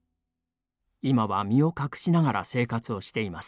今は身を隠しながら生活をしています。